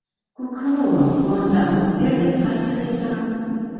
Күкһылыуым, ҡолонсағым, терелеп ҡайтты тип торам!..